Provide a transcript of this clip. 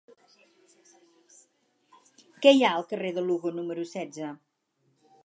Què hi ha al carrer de Lugo número setze?